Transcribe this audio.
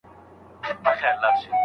ذهن د پوهي د ترلاسه کولو وسیله ده.